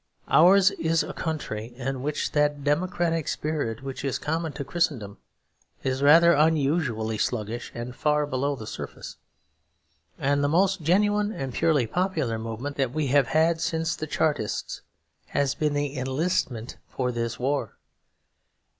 Ours is a country in which that democratic spirit which is common to Christendom is rather unusually sluggish and far below the surface. And the most genuine and purely popular movement that we have had since the Chartists has been the enlistment for this war.